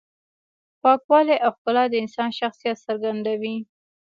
پاکوالی او ښکلا د انسان شخصیت څرګندوي.